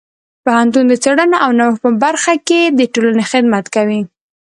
پوهنتون د څیړنې او نوښت په برخه کې د ټولنې خدمت کوي.